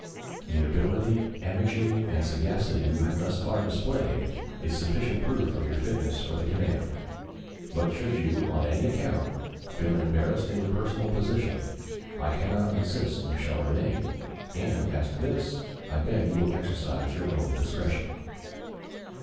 The ability, energy, and sagacity you have thus far displayed is sufficient proof of your fitness for the command. But should you, on any account, feel embarrassed in your personal position, I cannot insist that you shall remain; and, as to this, I beg you will exercise your own discretion.